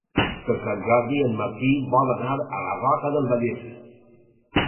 Per Sant Jordi en Martí vol anar a la Roca del Vallès.